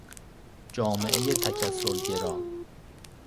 جامعه تکثرگرا